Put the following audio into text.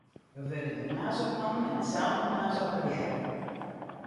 Jo wurde de moarns opnommen en deselde moarns operearre.